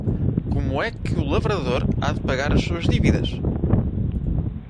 Como é que o lavrador há de pagar as suas dívidas?